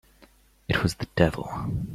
It was the devil!